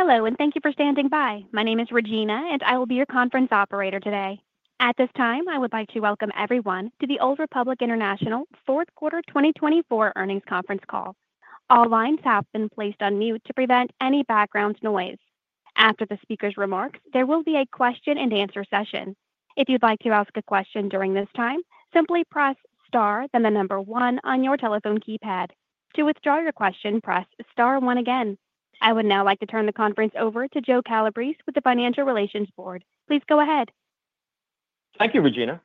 Hello, and thank you for standing by. My name is Regina, and I will be your conference operator today. At this time, I would like to welcome everyone to the Old Republic International Fourth Quarter 2024 earnings conference call. All lines have been placed on mute to prevent any background noise. After the speaker's remarks, there will be a question-and-answer session. If you'd like to ask a question during this time, simply press star, then the number one on your telephone keypad. To withdraw your question, press star one again. I would now like to turn the conference over to Joe Calabrese with the Financial Relations Board. Please go ahead. Thank you, Regina.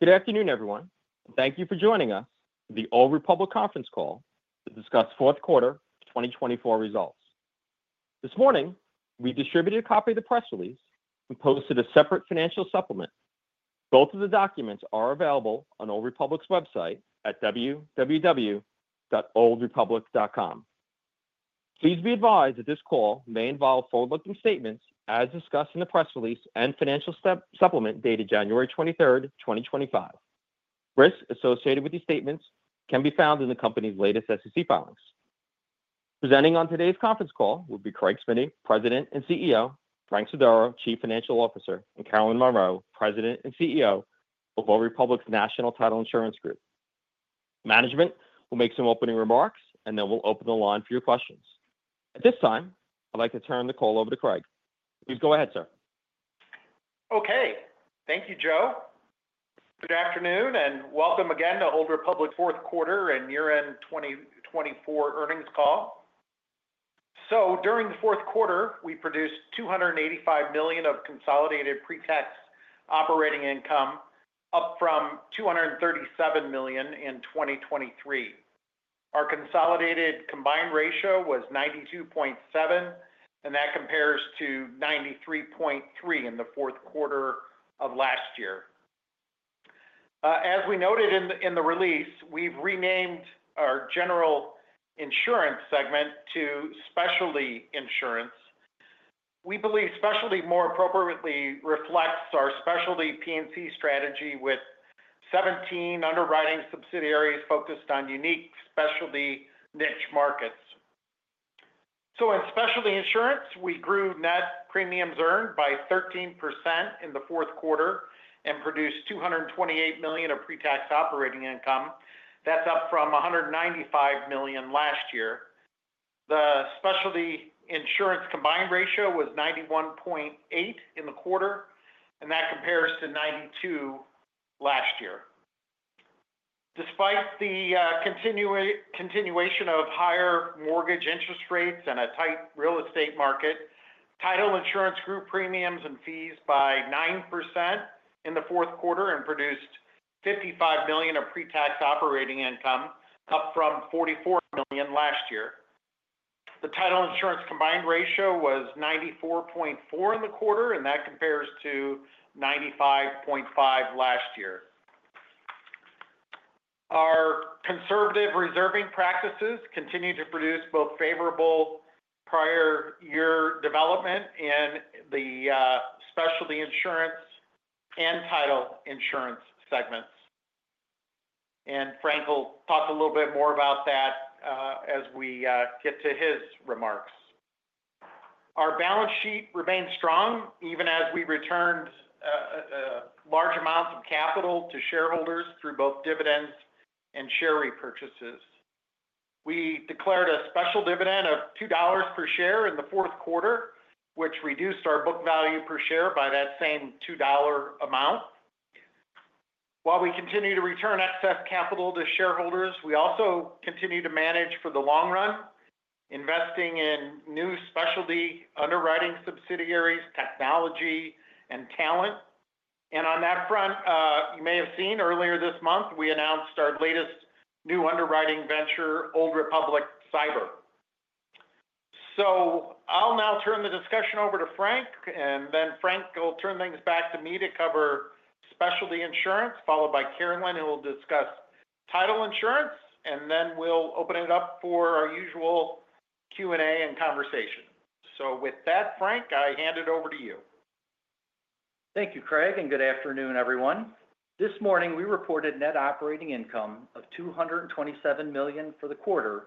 Good afternoon, everyone. Thank you for joining us for the Old Republic conference call to discuss Fourth Quarter 2024 results. This morning, we distributed a copy of the press release and posted a separate financial supplement. Both of the documents are available on Old Republic's website at www.oldrepublic.com. Please be advised that this call may involve forward-looking statements as discussed in the press release and financial supplement dated January 23rd, 2025. Risks associated with these statements can be found in the company's latest SEC filings. Presenting on today's conference call will be Craig Smiddy, President and CEO, Frank Sodaro, Chief Financial Officer, and Carolyn Monroe, President and CEO of Old Republic's National Title Insurance Group. Management will make some opening remarks, and then we'll open the line for your questions. At this time, I'd like to turn the call over to Craig. Please go ahead, sir. Okay. Thank you, Joe. Good afternoon, and welcome again to Old Republic's Fourth Quarter and Year End 2024 earnings call. So during the fourth quarter, we produced $285 million of consolidated pre-tax operating income, up from $237 million in 2023. Our consolidated combined ratio was 92.7, and that compares to 93.3 in the fourth quarter of last year. As we noted in the release, we've renamed our General Insurance segment to Specialty Insurance. We believe specialty more appropriately reflects our specialty P&C strategy with 17 underwriting subsidiaries focused on unique specialty niche markets. So in Specialty Insurance, we grew net premiums earned by 13% in the fourth quarter and produced $228 million of pre-tax operating income. That's up from $195 million last year. The Specialty Insurance combined ratio was 91.8 in the quarter, and that compares to 92 last year. Despite the continuation of higher mortgage interest rates and a tight real estate market, Title Insurance grew premiums and fees by 9% in the fourth quarter and produced $55 million of pre-tax operating income, up from $44 million last year. The Title Insurance combined ratio was 94.4 in the quarter, and that compares to 95.5 last year. Our conservative reserving practices continue to produce both favorable prior year development in the Specialty Insurance and Title Insurance segments. And Frank will talk a little bit more about that as we get to his remarks. Our balance sheet remained strong even as we returned large amounts of capital to shareholders through both dividends and share repurchases. We declared a special dividend of $2 per share in the fourth quarter, which reduced our book value per share by that same $2 amount. While we continue to return excess capital to shareholders, we also continue to manage for the long run, investing in new specialty underwriting subsidiaries, technology, and talent, and on that front, you may have seen earlier this month, we announced our latest new underwriting venture, Old Republic Cyber, so I'll now turn the discussion over to Frank, and then Frank will turn things back to me to cover Specialty Insurance, followed by Carolyn, who will discuss Title Insurance, and then we'll open it up for our usual Q&A and conversation, so with that, Frank, I hand it over to you. Thank you, Craig, and good afternoon, everyone. This morning, we reported net operating income of $227 million for the quarter,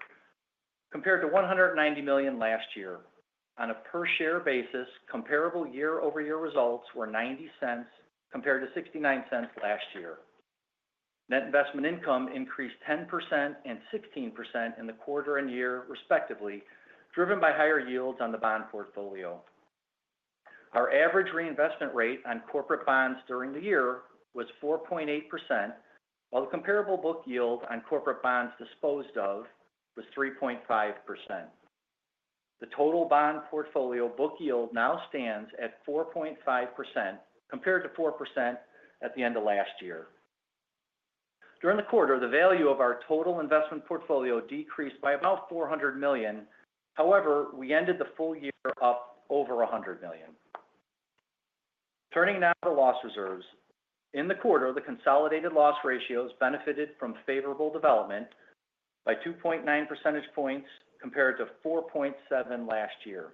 compared to $190 million last year. On a per-share basis, comparable year-over-year results were $0.90 compared to $0.69 last year. Net investment income increased 10% and 16% in the quarter and year, respectively, driven by higher yields on the bond portfolio. Our average reinvestment rate on corporate bonds during the year was 4.8%, while the comparable book yield on corporate bonds disposed of was 3.5%. The total bond portfolio book yield now stands at 4.5% compared to 4% at the end of last year. During the quarter, the value of our total investment portfolio decreased by about $400 million. However, we ended the full year up over $100 million. Turning now to loss reserves. In the quarter, the consolidated loss ratios benefited from favorable development by 2.9 percentage points compared to 4.7 last year.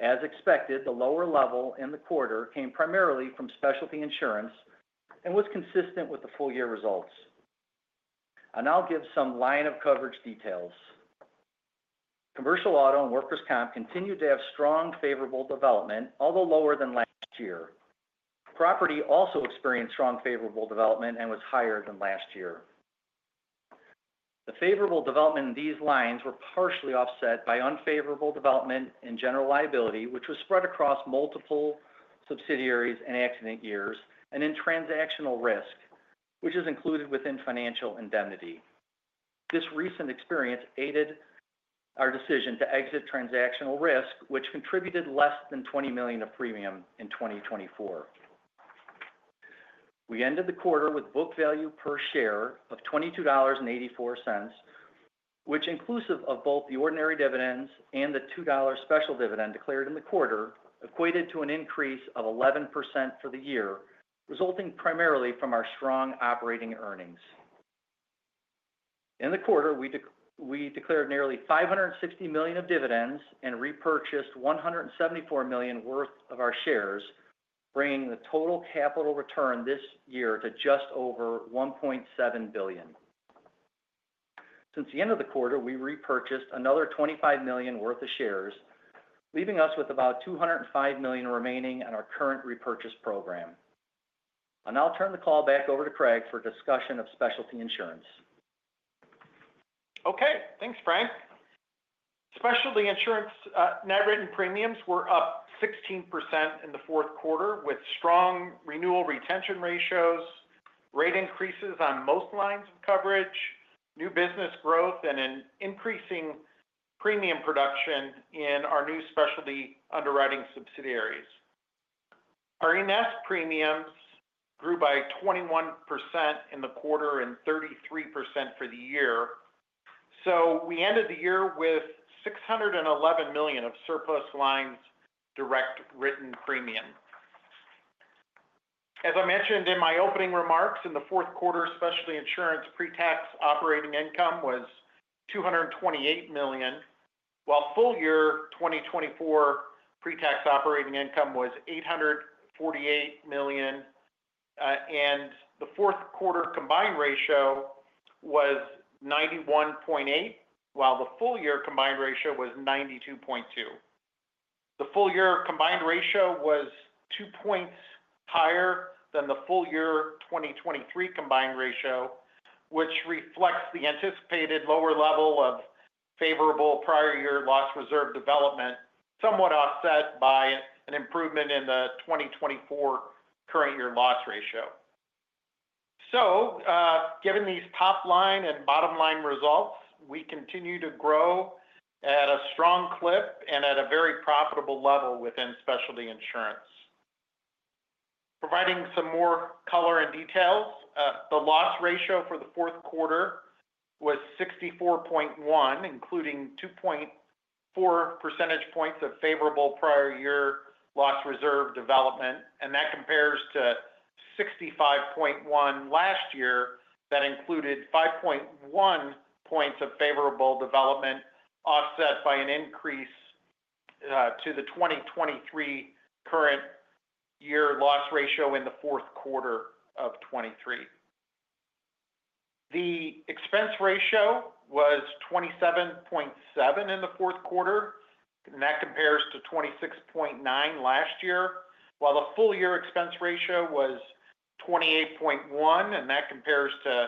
As expected, the lower level in the quarter came primarily from Specialty Insurance and was consistent with the full-year results, and I'll give some line-of-coverage details. Commercial auto and workers' comp continued to have strong favorable development, although lower than last year. Property also experienced strong favorable development and was higher than last year. The favorable development in these lines was partially offset by unfavorable development in general liability, which was spread across multiple subsidiaries and accident years, and in transactional risk, which is included within financial indemnity. This recent experience aided our decision to exit transactional risk, which contributed less than $20 million of premium in 2024. We ended the quarter with book value per share of $22.84, which, inclusive of both the ordinary dividends and the $2 special dividend declared in the quarter, equated to an increase of 11% for the year, resulting primarily from our strong operating earnings. In the quarter, we declared nearly $560 million of dividends and repurchased $174 million worth of our shares, bringing the total capital return this year to just over $1.7 billion. Since the end of the quarter, we repurchased another $25 million worth of shares, leaving us with about $205 million remaining on our current repurchase program. I'll turn the call back over to Craig for discussion of Specialty Insurance. Okay. Thanks, Frank. Specialty insurance net written premiums were up 16% in the fourth quarter with strong renewal retention ratios, rate increases on most lines of coverage, new business growth, and an increasing premium production in our new specialty underwriting subsidiaries. Our in-force premiums grew by 21% in the quarter and 33% for the year, so we ended the year with $611 million of surplus lines direct written premium. As I mentioned in my opening remarks, in the fourth quarter, Specialty Insurance pre-tax operating income was $228 million, while full-year 2024 pre-tax operating income was $848 million, and the fourth quarter combined ratio was 91.8%, while the full-year combined ratio was 92.2%. The full-year combined ratio was two points higher than the full-year 2023 combined ratio, which reflects the anticipated lower level of favorable prior year loss reserve development, somewhat offset by an improvement in the 2024 current-year loss ratio. So given these top-line and bottom-line results, we continue to grow at a strong clip and at a very profitable level within Specialty Insurance. Providing some more color and details, the loss ratio for the fourth quarter was 64.1%, including 2.4 percentage points of favorable prior year loss reserve development, and that compares to 65.1% last year that included 5.1 points of favorable development, offset by an increase to the 2023 current-year loss ratio in the fourth quarter of 2023. The expense ratio was 27.7% in the fourth quarter, and that compares to 26.9% last year, while the full-year expense ratio was 28.1%, and that compares to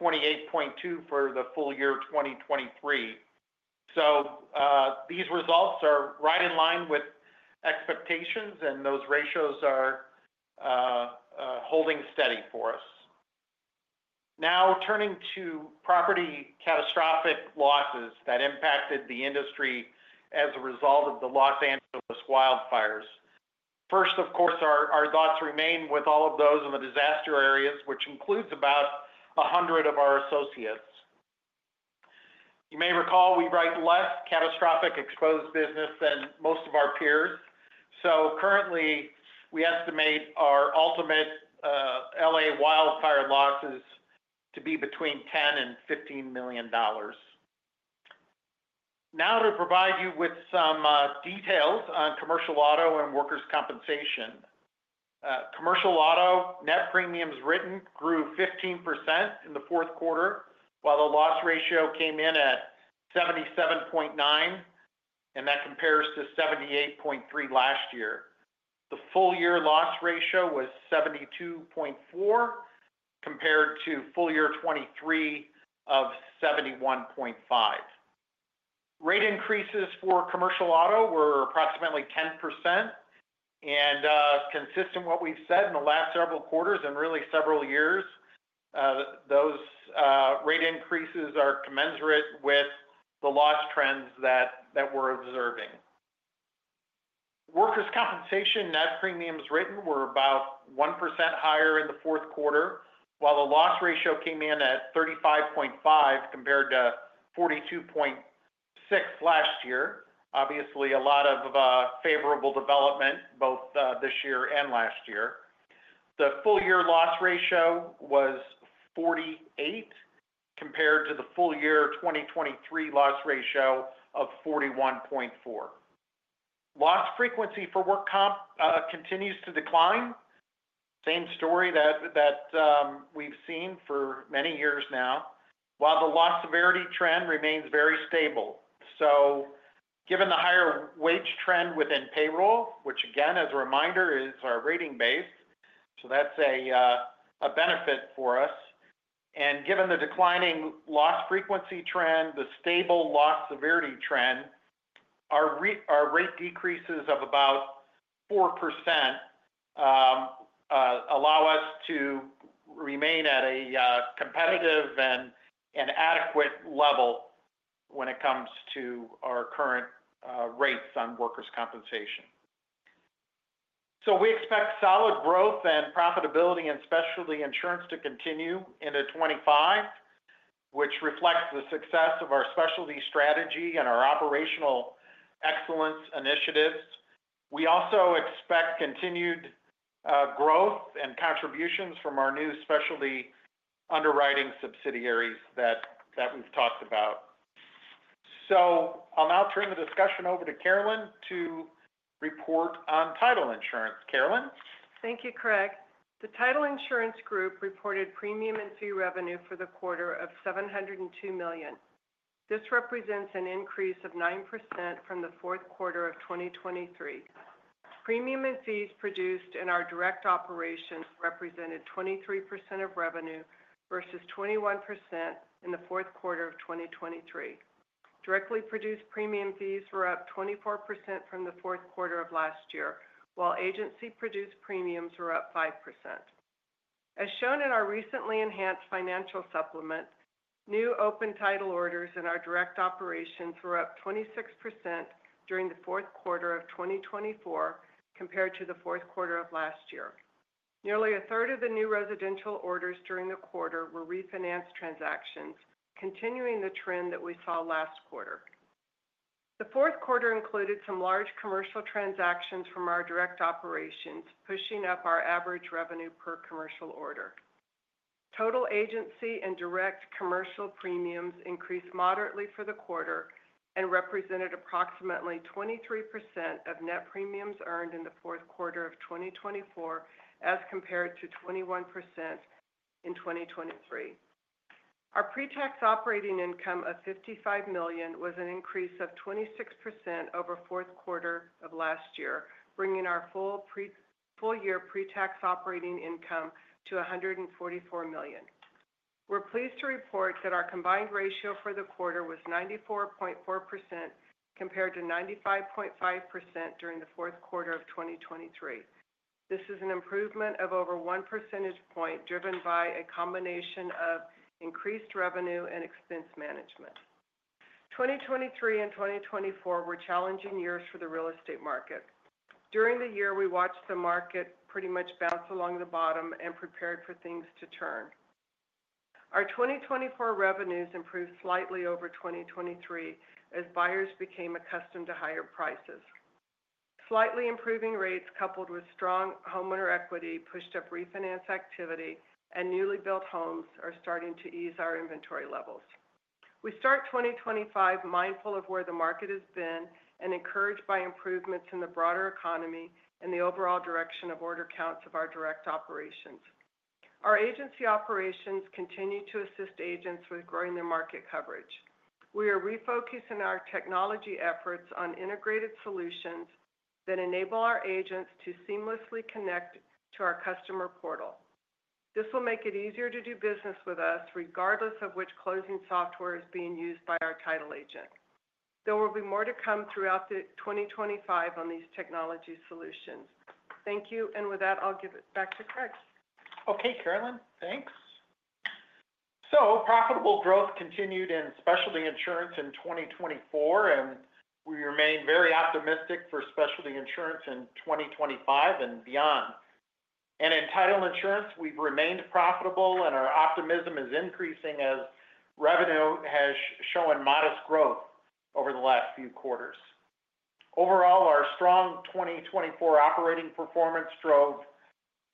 28.2% for the full-year 2023. So these results are right in line with expectations, and those ratios are holding steady for us. Now turning to property catastrophic losses that impacted the industry as a result of the Los Angeles wildfires. First, of course, our thoughts remain with all of those in the disaster areas, which includes about 100 of our associates. You may recall we write less catastrophic exposed business than most of our peers. So currently, we estimate our ultimate LA wildfire losses to be between $10 million and $15 million. Now to provide you with some details on commercial auto and workers' compensation. Commercial auto net premiums written grew 15% in the fourth quarter, while the loss ratio came in at 77.9, and that compares to 78.3 last year. The full-year loss ratio was 72.4 compared to full-year 2023 of 71.5. Rate increases for commercial auto were approximately 10% and consistent with what we've said in the last several quarters and really several years. Those rate increases are commensurate with the loss trends that we're observing. Workers' compensation net premiums written were about 1% higher in the fourth quarter, while the loss ratio came in at 35.5 compared to 42.6 last year. Obviously, a lot of favorable development both this year and last year. The full-year loss ratio was 48 compared to the full-year 2023 loss ratio of 41.4. Loss frequency for work comp continues to decline. Same story that we've seen for many years now, while the loss severity trend remains very stable, so given the higher wage trend within payroll, which again, as a reminder, is our rating base, so that's a benefit for us, and given the declining loss frequency trend, the stable loss severity trend, our rate decreases of about 4% allow us to remain at a competitive and adequate level when it comes to our current rates on workers' compensation. So we expect solid growth and profitability in Specialty Insurance to continue into 2025, which reflects the success of our specialty strategy and our operational excellence initiatives. We also expect continued growth and contributions from our new specialty underwriting subsidiaries that we've talked about. So I'll now turn the discussion over to Carolyn to report on Title Insurance. Carolyn. Thank you, Craig. The Title Insurance Group reported premium and fee revenue for the quarter of $702 million. This represents an increase of 9% from the fourth quarter of 2023. Premium and fees produced in our direct operations represented 23% of revenue versus 21% in the fourth quarter of 2023. Directly produced premium fees were up 24% from the fourth quarter of last year, while agency-produced premiums were up 5%. As shown in our recently enhanced financial supplement, new open Title orders in our direct operations were up 26% during the fourth quarter of 2024 compared to the fourth quarter of last year. Nearly a third of the new residential orders during the quarter were refinanced transactions, continuing the trend that we saw last quarter. The fourth quarter included some large commercial transactions from our direct operations, pushing up our average revenue per commercial order. Total agency and direct commercial premiums increased moderately for the quarter and represented approximately 23% of net premiums earned in the fourth quarter of 2024 as compared to 21% in 2023. Our pre-tax operating income of $55 million was an increase of 26% over fourth quarter of last year, bringing our full-year pre-tax operating income to $144 million. We're pleased to report that our combined ratio for the quarter was 94.4% compared to 95.5% during the fourth quarter of 2023. This is an improvement of over 1 percentage point driven by a combination of increased revenue and expense management. 2023 and 2024 were challenging years for the real estate market. During the year, we watched the market pretty much bounce along the bottom and prepared for things to turn. Our 2024 revenues improved slightly over 2023 as buyers became accustomed to higher prices. Slightly improving rates coupled with strong homeowner equity pushed up refinance activity and newly built homes are starting to ease our inventory levels. We start 2025 mindful of where the market has been and encouraged by improvements in the broader economy and the overall direction of order counts of our direct operations. Our agency operations continue to assist agents with growing their market coverage. We are refocusing our technology efforts on integrated solutions that enable our agents to seamlessly connect to our customer portal. This will make it easier to do business with us regardless of which closing software is being used by our title agent. There will be more to come throughout 2025 on these technology solutions. Thank you. And with that, I'll give it back to Craig. Okay, Carolyn. Thanks. So profitable growth continued in Specialty Insurance in 2024, and we remain very optimistic for Specialty Insurance in 2025 and beyond. And in Title insurance, we've remained profitable, and our optimism is increasing as revenue has shown modest growth over the last few quarters. Overall, our strong 2024 operating performance drove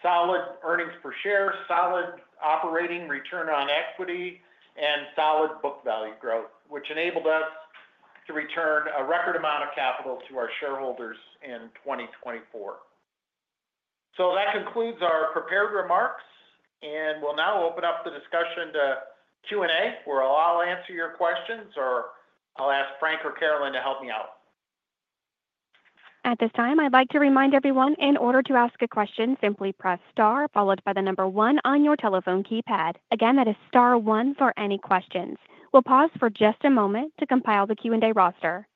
solid earnings per share, solid operating return on equity, and solid book value growth, which enabled us to return a record amount of capital to our shareholders in 2024. So that concludes our prepared remarks, and we'll now open up the discussion to Q&A, where I'll answer your questions or I'll ask Frank or Carolyn to help me out. At this time, I'd like to remind everyone in order to ask a question, simply press star followed by the number one on your telephone keypad. Again, that is star one for any questions. We'll pause for just a moment to compile the Q&A roster.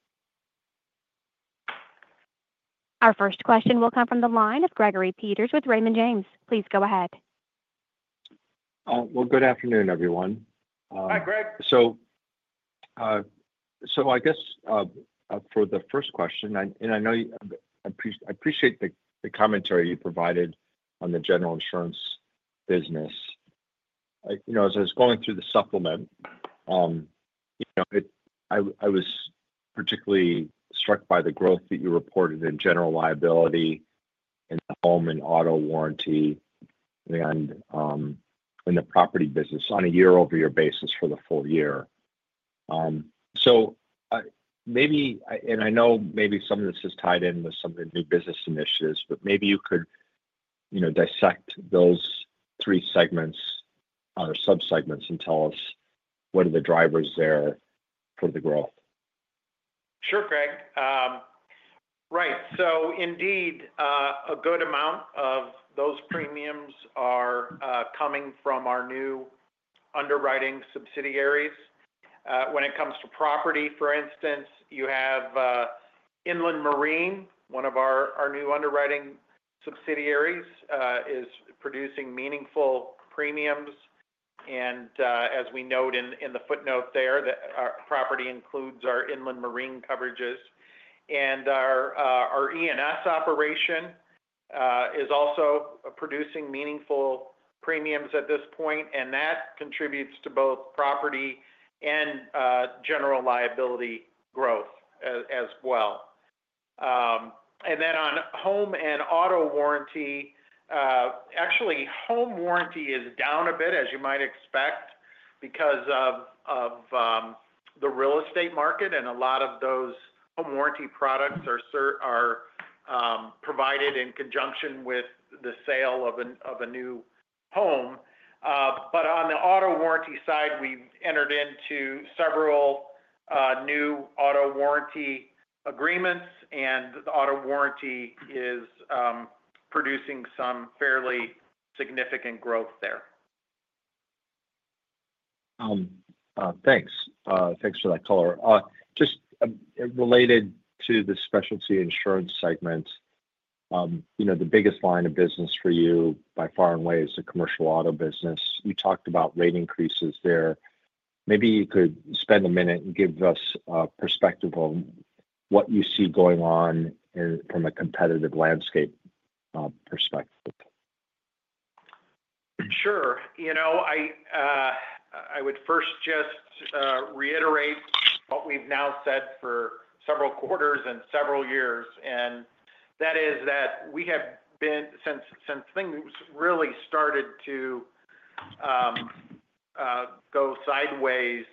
Our first question will come from the line of Gregory Peters with Raymond James. Please go ahead. Well, good afternoon, everyone. Hi, Greg. I guess for the first question, and I know I appreciate the commentary you provided on the General Insurance business. As I was going through the supplement, I was particularly struck by the growth that you reported in General Liability, in Home and Auto Warranty, and in the property business on a year-over-year basis for the full year. Maybe, and I know maybe some of this is tied in with some of the new business initiatives, but maybe you could dissect those three segments or subsegments and tell us what are the drivers there for the growth. Sure, Craig. Right. So indeed, a good amount of those premiums are coming from our new underwriting subsidiaries. When it comes to property, for instance, you have Inland Marine, one of our new underwriting subsidiaries, is producing meaningful premiums. And as we note in the footnote there, our property includes our Inland Marine coverages. And our E&S operation is also producing meaningful premiums at this point, and that contributes to both property and general liability growth as well. And then on home and auto warranty, actually, home warranty is down a bit, as you might expect, because of the real estate market, and a lot of those home warranty products are provided in conjunction with the sale of a new home. But on the auto warranty side, we've entered into several new auto warranty agreements, and the auto warranty is producing some fairly significant growth there. Thanks. Thanks for that, Caller. Just related to the Specialty Insurance segment, the biggest line of business for you by far and away is the commercial auto business. You talked about rate increases there. Maybe you could spend a minute and give us a perspective on what you see going on from a competitive landscape perspective. Sure. I would first just reiterate what we've now said for several quarters and several years. And that is that we have been since things really started to go sideways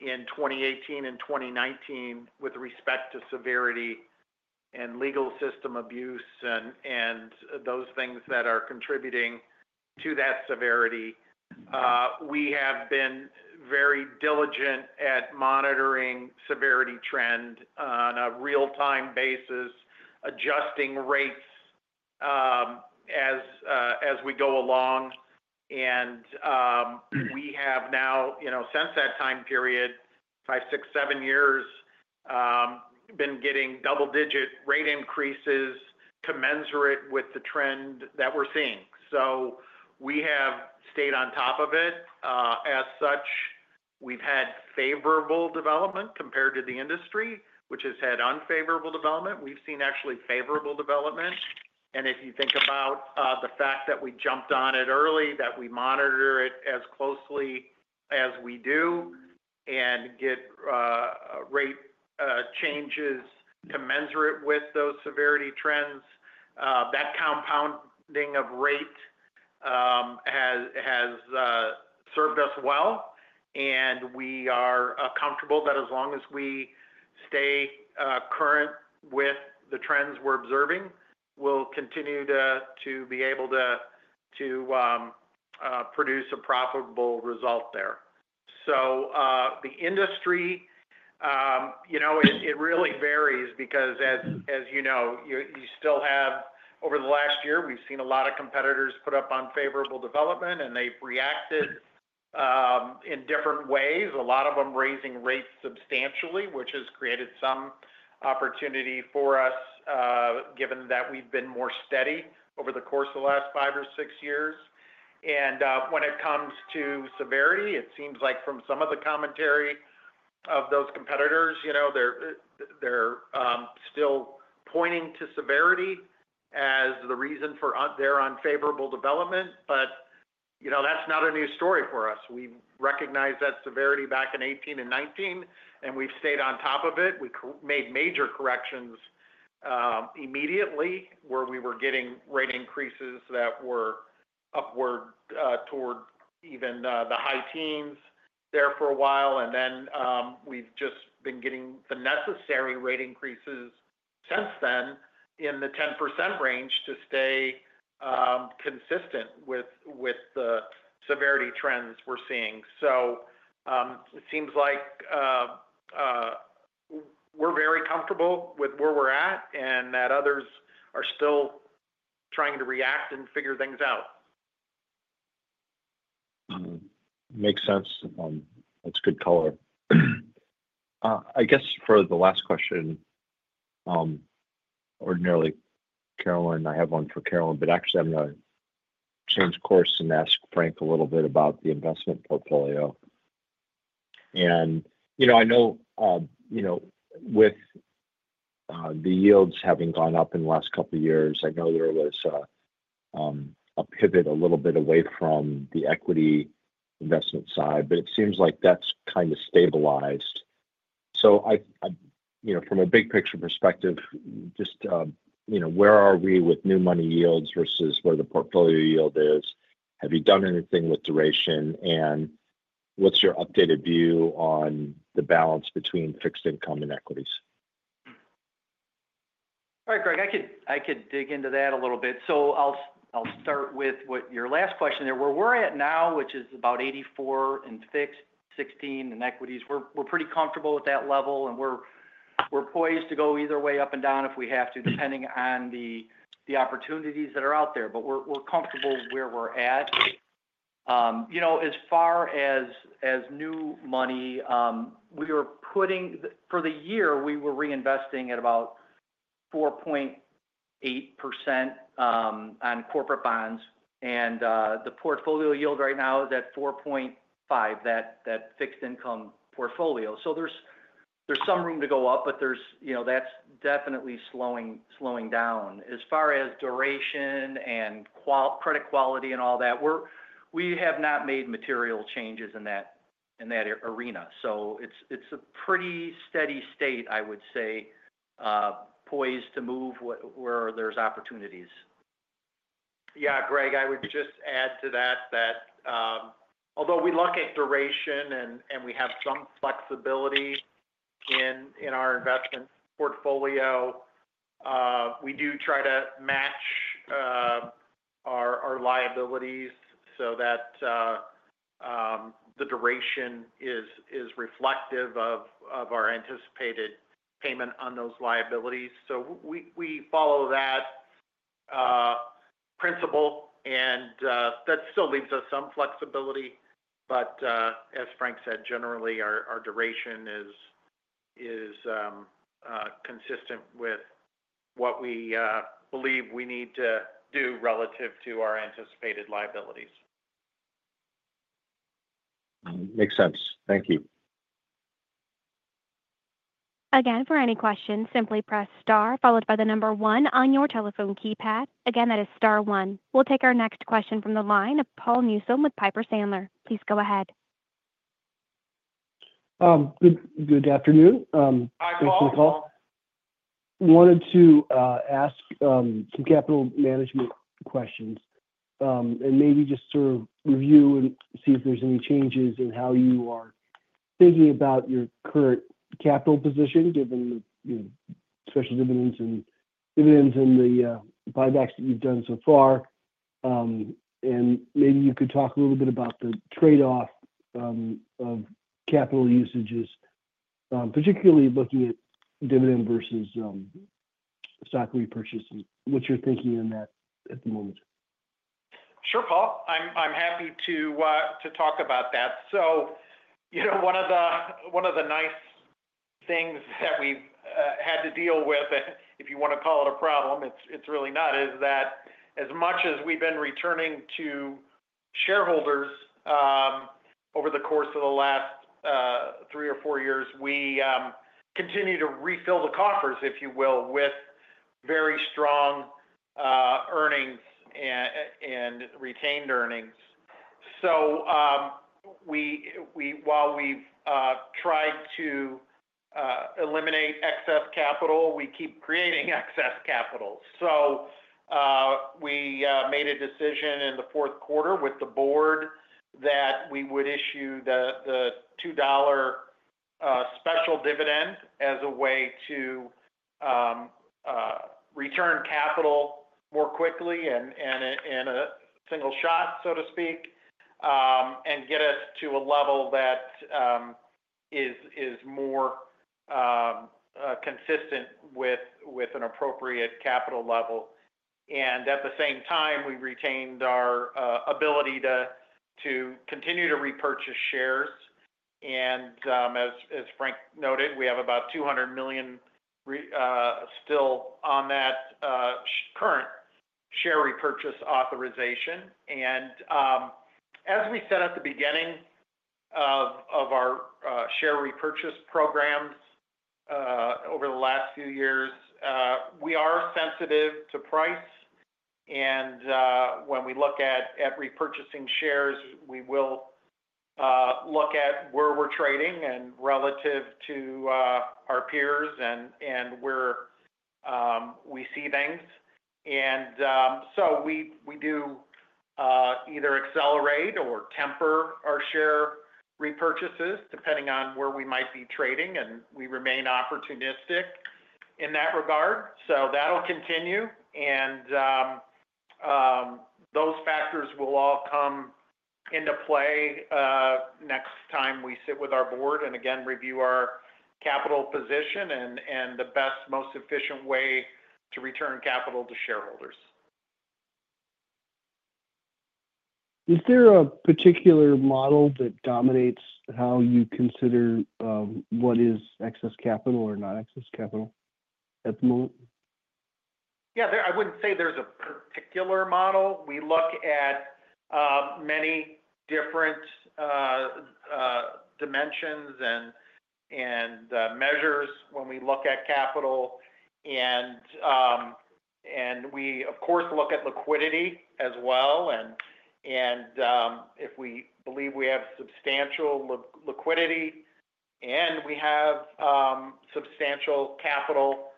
in 2018 and 2019 with respect to severity and legal system abuse and those things that are contributing to that severity, we have been very diligent at monitoring severity trend on a real-time basis, adjusting rates as we go along. And we have now, since that time period, five, six, seven years, been getting double-digit rate increases commensurate with the trend that we're seeing. So we have stayed on top of it. As such, we've had favorable development compared to the industry, which has had unfavorable development. We've seen actually favorable development. If you think about the fact that we jumped on it early, that we monitor it as closely as we do and get rate changes commensurate with those severity trends, that compounding of rate has served us well. We are comfortable that as long as we stay current with the trends we're observing, we'll continue to be able to produce a profitable result there. The industry, it really varies because, as you know, you still have over the last year, we've seen a lot of competitors put up unfavorable development, and they've reacted in different ways, a lot of them raising rates substantially, which has created some opportunity for us given that we've been more steady over the course of the last five or six years. And when it comes to severity, it seems like from some of the commentary of those competitors, they're still pointing to severity as the reason for their unfavorable development. But that's not a new story for us. We recognize that severity back in 2018 and 2019, and we've stayed on top of it. We made major corrections immediately where we were getting rate increases that were upward toward even the high teens there for a while. And then we've just been getting the necessary rate increases since then in the 10% range to stay consistent with the severity trends we're seeing. So it seems like we're very comfortable with where we're at and that others are still trying to react and figure things out. Makes sense. That's good color. I guess for the last question, ordinarily, Carolyn, I have one for Carolyn, but actually, I'm going to change course and ask Frank a little bit about the investment portfolio. And I know with the yields having gone up in the last couple of years, I know there was a pivot a little bit away from the equity investment side, but it seems like that's kind of stabilized. So from a big-picture perspective, just where are we with new money yields versus where the portfolio yield is? Have you done anything with duration? And what's your updated view on the balance between fixed income and equities? All right, Greg. I could dig into that a little bit. So I'll start with your last question there. Where we're at now, which is about 84% fixed, 16% equities, we're pretty comfortable with that level. And we're poised to go either way up and down if we have to, depending on the opportunities that are out there. But we're comfortable where we're at. As far as new money, we are putting for the year, we were reinvesting at about 4.8% on corporate bonds. And the portfolio yield right now is at 4.5%, that fixed income portfolio. So there's some room to go up, but that's definitely slowing down. As far as duration and credit quality and all that, we have not made material changes in that arena. So it's a pretty steady state, I would say, poised to move where there's opportunities. Yeah, Greg, I would just add to that that although we look at duration and we have some flexibility in our investment portfolio, we do try to match our liabilities so that the duration is reflective of our anticipated payment on those liabilities, so we follow that principle, and that still leaves us some flexibility, but as Frank said, generally, our duration is consistent with what we believe we need to do relative to our anticipated liabilities. Makes sense. Thank you. Again, for any questions, simply press star followed by the number one on your telephone keypad. Again, that is star one. We'll take our next question from the line of Paul Newsome with Piper Sandler. Please go ahead. Good afternoon. Hi, Paul. Thanks for the call. Wanted to ask some capital management questions and maybe just sort of review and see if there's any changes in how you are thinking about your current capital position given the special dividends and dividends and the buybacks that you've done so far, and maybe you could talk a little bit about the trade-off of capital usages, particularly looking at dividend versus stock repurchase, what you're thinking on that at the moment. Sure, Paul. I'm happy to talk about that. So one of the nice things that we've had to deal with, if you want to call it a problem, it's really not, is that as much as we've been returning to shareholders over the course of the last three or four years, we continue to refill the coffers, if you will, with very strong earnings and retained earnings. So while we've tried to eliminate excess capital, we keep creating excess capital. So we made a decision in the fourth quarter with the board that we would issue the $2 special dividend as a way to return capital more quickly and in a single shot, so to speak, and get us to a level that is more consistent with an appropriate capital level. And at the same time, we retained our ability to continue to repurchase shares. And as Frank noted, we have about $200 million still on that current share repurchase authorization. As we said at the beginning of our share repurchase programs over the last few years, we are sensitive to price. When we look at repurchasing shares, we will look at where we're trading relative to our peers and where we see things. So we do either accelerate or temper our share repurchases depending on where we might be trading. We remain opportunistic in that regard. That'll continue. Those factors will all come into play next time we sit with our board and, again, review our capital position and the best, most efficient way to return capital to shareholders. Is there a particular model that dominates how you consider what is excess capital or not excess capital at the moment? Yeah, I wouldn't say there's a particular model. We look at many different dimensions and measures when we look at capital. And we, of course, look at liquidity as well. And if we believe we have substantial liquidity and we have substantial capital,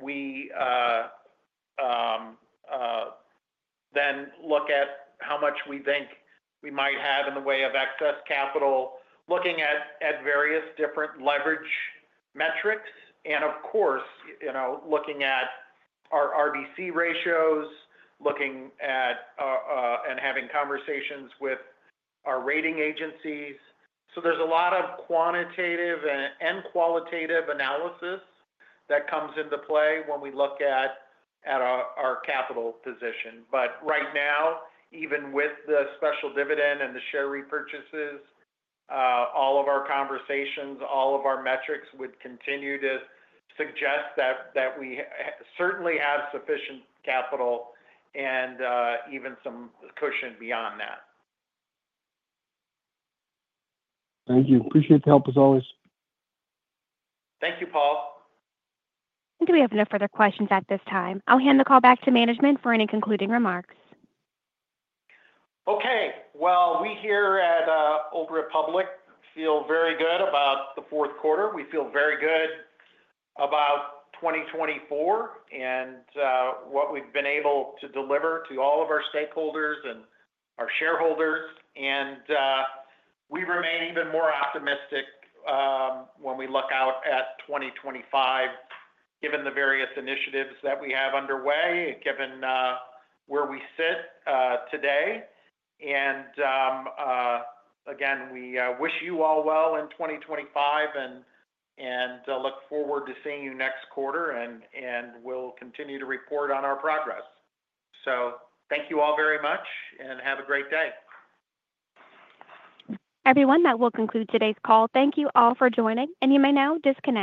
we then look at how much we think we might have in the way of excess capital, looking at various different leverage metrics. And, of course, looking at our RBC ratios, looking at and having conversations with our rating agencies. So there's a lot of quantitative and qualitative analysis that comes into play when we look at our capital position. But right now, even with the special dividend and the share repurchases, all of our conversations, all of our metrics would continue to suggest that we certainly have sufficient capital and even some cushion beyond that. Thank you. Appreciate the help, as always. Thank you, Paul. I think we have no further questions at this time. I'll hand the call back to management for any concluding remarks. Okay. Well, we here at Old Republic feel very good about the fourth quarter. We feel very good about 2024 and what we've been able to deliver to all of our stakeholders and our shareholders. And we remain even more optimistic when we look out at 2025, given the various initiatives that we have underway, given where we sit today. And again, we wish you all well in 2025 and look forward to seeing you next quarter. And we'll continue to report on our progress. So thank you all very much and have a great day. Everyone, that will conclude today's call. Thank you all for joining. And you may now disconnect.